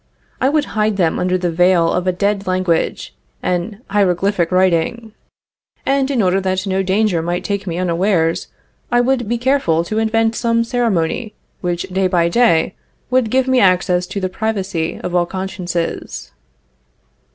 I would hide them under the veil of a dead language and hieroglyphic writing; and, in order that no danger might take me unawares, I would be careful to invent some ceremony which day by day would give me access to the privacy of all consciences.